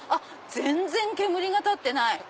全然煙が立ってない。